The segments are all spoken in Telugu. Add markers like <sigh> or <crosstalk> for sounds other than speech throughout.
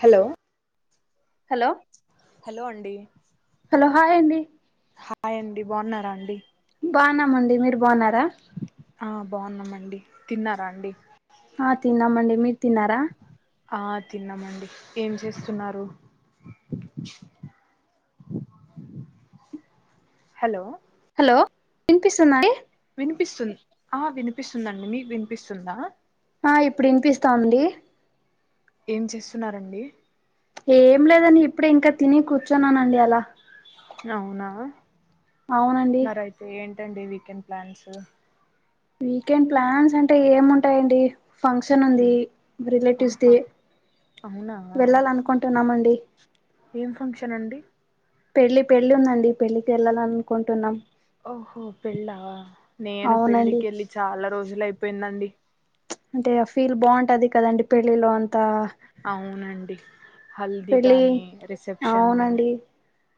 హలో హలో హలో అండి హలో హాయ్ అండి హాయ్ అండి బావున్నారా అండి బాన్నామండి మీరు బాన్నారా ఆ బావున్నామండి తిన్నారా అండి ఆ తిన్నామండి మీరు తిన్నారా ఆ తిన్నామండి ఏం చేస్తున్నారు హలో హలో వినిపిస్తుందా అండి వినిపిస్తుంది ఆ వినిపిస్తుందండి మీకు వినిపిస్తుందా ఆ ఇప్పుడు వినిపిస్తాంది ఏం చేస్తున్నారండి ఏం లేదండి ఇప్పుడే ఇంకా తిని కూర్చున్నానండి అలా అవునా అవునండి మరి అయితే ఏంటండి వీకెండ్ ప్లాన్స్ వీకెండ్ ప్లాన్స్ అంటే ఏం ఉంటాయండి ఫంక్షన్ ఉంది రిలేటివ్స్ది ఆహా అవునా వెళ్ళాలనుకుంటున్నామండి ఏం ఫంక్షన్ అండి పెళ్ళి పెళ్ళి ఉందండి పెళ్ళికి వెళ్ళాలనుకుంటున్నాం ఓహో పెళ్ళ నేను అవునండి పెళ్ళికెళ్ళి చాలా రోజులు అయిపోయిందండి అంటే ఆ ఫీల్ బాగుంటది కదండి పెళ్ళిలో అంతా అవునండి హల్దీ పెళ్ళి గానీ రిసెప్షను అవునండి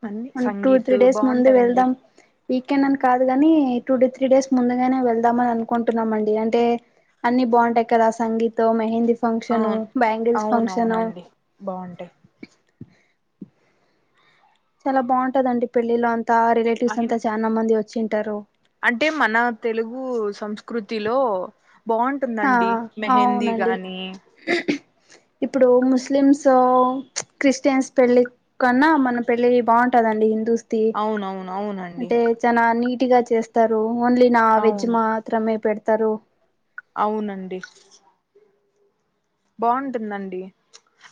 అన్ని టూ త్రీ సంగీతు డేస్ ముందు బాగుంటాయండి వెళ్దాం వీకెండ్ అని కాదు కాని టూ టు త్రీ డేస్ ముందుగానే వెళ్దామని అనుకుంటున్నామండి అంటే అన్ని బాగుంటాయి కదా sangeet mehndi function bangles function బావుంటాయి చాలా బాగుంటదండి పెళ్ళిలో అంతా రిలేటివ్స్ ఆయన అంతా చాలా మంది వచ్చింటారు అంటే మన తెలుగు సంస్కృతిలో బావు ఆ టుందండి మెహందీ అవునండి గాని ఇప్పుడు ముస్లిమ్స్ ఉచ్ క్రిస్టియన్స్ పెళ్ళి కన్నా మన పెళ్ళి బాగుంటదండి హిందూస్ తి అవునవును అవునండి అంటే చానా నీట్ గా చేస్తారు ఓన్లీ నా వెజ్ అవును మాత్ త్రమే పెడతారు అవునండి బాగుంటుందండి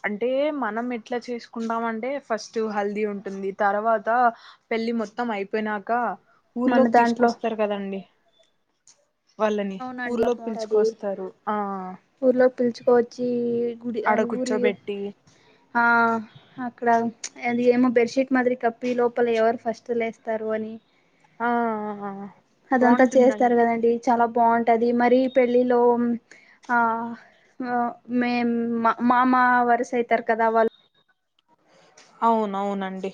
అంటే మనం ఎట్లా చేసుకుంటామంటే ఫస్ట్ హల్దీ ఉంటుంది తర్వాత పెళ్లి మొత్తం అయిపోయినాక మన ఊర్లోకి దాంట్లో తీసుకొస్తారు కదండి వాళ్ళని అవునండి ఊర్లోకి బాగుంటది పిలుచుకొస్తారు ఆ ఆ ఊర్లోకి పిలుచుకోవచ్చి గుడి ఆ ఆడ ఊరి కూర్చోబెట్టి ఆ అక్కడ ఉచ్ అది ఏమో బెడ్షీట్ మాదిరి కప్పి లోపల ఎవరు ఫస్ట్ లేస్తారు అని ఆ ఆ ఆ అదంతా చేస్తారు కదండి చాలా బావుంటది మరి పెళ్ళిలో ఆ మ్ మేం మా మామ వరుస అయితారు కదా వాళ్ అవును అవునండి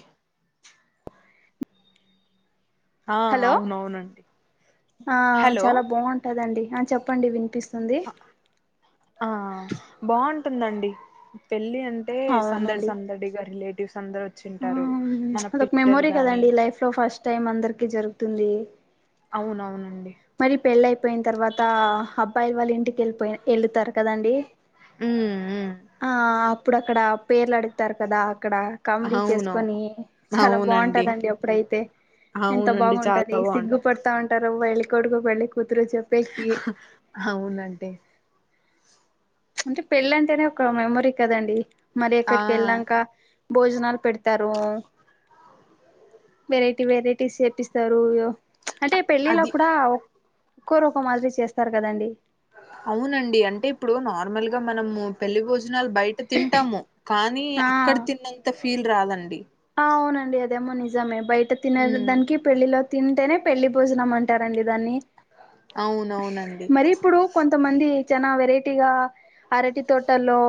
ఆ హలో అవునవునండి ఆ హలో చాలా బావుంటదండి ఆ చెప్పండి వినిపిస్తుంది ఆ బావుటుందండి పెళ్ళి అం టే సందడి అవునండి సందడిగా రిలేటివ్స్ అందరు ఆ వచ్చింటారు మన అదొక పిల్లలు మెమొరీ గాని కదండి లైఫ్ ఫస్ట్ టైమ్ అందరికి జరుగుతుంది అవునవునండి మరి పెళ్ళి అయిపోయిన తర్వాత అబ్బాయి వాళ్ళు ఇంటికి వెళ్ళిపోయి వెళ్ళుతారు కదండీ ఉమ్ ఉమ్ ఆ అప్పుడు అక్కడ పేర్లు అడుగుతారు కదా అక్కడ కామెడీ అవునవు చేసుకొని చాలా అవునండి బావుంటందండి ఆప్పుడైతే ఎంత అవునండి చాలా బావుంటది బాగుంటా సిగ్గుపడతా ఉంటారు పెళ్ళి కొడుకు పెళ్ళి కూతురు చెప్ అవునంటే అంటే పెళ్లి అంటేనే ఒక మెమొరీ కదండి మరి ఆ ఎక్కడికి వెళ్ళనంక భోజనాలు పెడతారు వెరైటీ వెరైటీస్ చెప్పిస్తారూ యో ప్చ్ అంటే పెళ్ళిళ అది కూడా ఒక్కోరు ఒక్కో మాదిరి చేస్తారు కదండి అవునండి అంటే ఇప్పుడు నార్మల్ గా మనము పెళ్లి భోజనాలు బయట్ తింటాము కానీ ఆ అక్కడ తిన్నంత ఫీల్ రాదండి ఆ అవునండి అదేమో నిజమే బయట తినే ఉమ్ దానికి పెళ్ళిలో తింటేనే పెళ్ళిభోజనం అంటారండి దాన్ని అవునవునండి మరి ఇప్పుడు కొంతమంది చానా వెరైటీగా అరటి తోటల్లో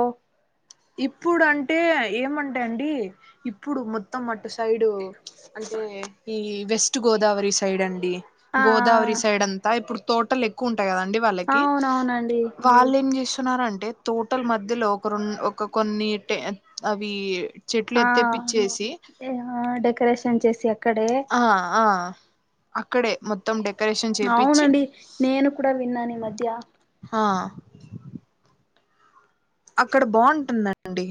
ఇప్పుడు అంటే ఏమంటా అండి ఇప్పుడు మొత్తం అటు సైడు అట్ అంటేఈ వెస్ట్ గోదావరి సైడ్ అండి ఆ గోదావరి సైడ్ అంతా ఇప్పుడు తోటలు ఎక్కు వ ఉంటాయి కదండి వాళ్ళకి అవునవునండి వాళ్ళు ఏం చేస్తున్నారంటే తోటల మధ్యలో ఒక రెం ఒక కొన్ని టె అవీ చెట్లు ఎత్తేప్పిచ్చేసి ఆ డెకరేషన్ చేసి అక్కడే ఆ ఆ అ అక్కడే మొత్తం డెకరేషన్ చేపిచ్చి అవునండి నేను కూడా విన్నాను ఈ మధ్య ఆ అక్కడ బావుంటుందండి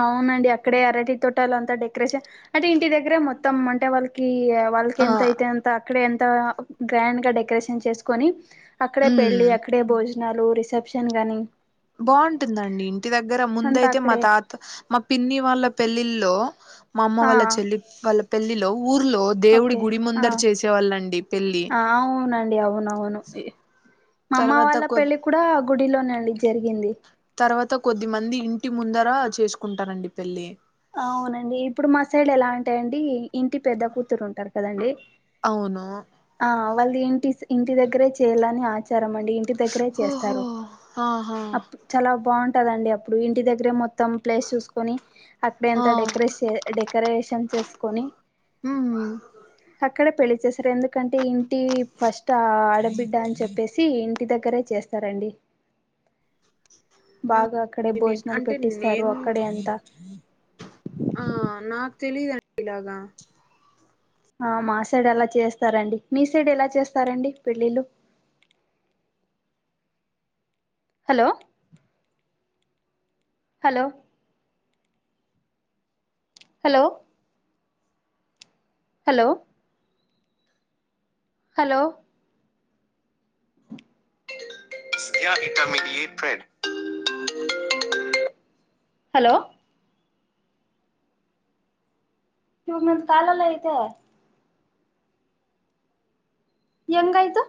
అవునండి అక్కడే అరటి తోటాలు అంతా డెకరేషన్ అంటే ఇంటి దగ్గరె మొత్తం అంటే వాళ్ళ కి కీ వాళ్ళకి ఆ ఎంతయితే ఎంత అక్కడే ఎంత గ్రాండ్ గా డెకరేషన్ చేసుకొని అక్కడే ఉమ్ పెళ్ళి అక్కడే భోజనాలు రిసెప్షన్ గాని బావుంటుందండి ఇంటి దగ్గర ముందు అంతా అయితే మా అక్కడే తాత మా పిన్ని వాళ్ళ పెళ్ళిల్లొ మా అమ్మ ఆ వాళ్ళ చెల్లి వాళ్ళ పెళ్ళిలో ఊర్లో దేవుడి ఓకే గుడి ఆ ముందర చేసేవాళ్ళండి పెళ్ళి అవునండి అవునవును మా అమ్మ తర్వాత వాళ్ళ కొ పెళ్ళి కూడా గుడిలోనేండి జరిగింది తర్వాత కొద్ది మంది ఇంటి ముందర చేసుకుంటారండి పెళ్లి అవునండి ఇప్పుడు మాసైడ్ ఎలా అంటే అండీ ఇంటి పెద్ద కూతురు ఉంటారు కదండి అవును ఆ వాళ్ళ ఇంటి ఇంటి దగ్గరే చేయ్యాలని ఆచారం అండి ఇంటి దగ్గరే ఓహో చేస్తారు ఆహా అప్పు చాలా బాగుంటదండి అప్పుడు ఇంటి దగ్గరే మొత్తం ప్లేస్ చూసుకొని అక్కడ ఆ ఎంత డెకరేట్ స్ డెకరేషన్ చేసుకొని మ్ అక్కడే పెళ్ళి చేసారు ఎందుకంటే ఇంటి ఫస్ట్ ఆడబిడ్డ అని చెప్పేసి ఇంటి దగ్గరే చేస్తారు సరే అండి బాగా అక్కడే భోజనాలు అంటే పెట్టిస్తారు నేను అక్కడే అంతా ఆ నాకు తెలీదు అండి ఇలాగ ఆ మా సైడ్ అలా చేస్తారండి మీ సైడ్ ఎలా చేస్తారండి పెళ్ళిలు hello hello hello hello hello <inaudible> hello మీరు కలలే అయితే యంగు అయితు